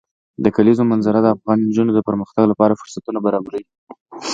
د کلیزو منظره د افغان نجونو د پرمختګ لپاره فرصتونه برابروي.